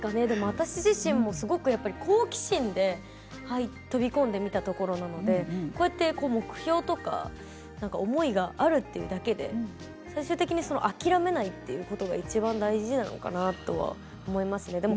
でも私自身もすごく好奇心で飛び込んでみたところなのでこうやって目標とか思いがあるというだけで最終的に諦めないということがいちばん大事なのかなとは思いますね。